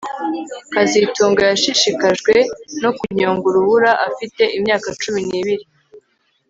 kazitunga yashishikajwe no kunyonga urubura afite imyaka cumi nibiri